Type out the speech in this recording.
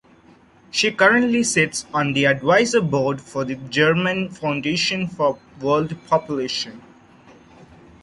She currently sits on the Advisor Board for the German Foundation for World Population.